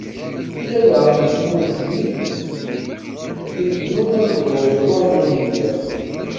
Illa daɣen di tmurt-nni, bdilyum akked uẓru n Unix.